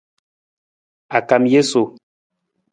A kam jesu.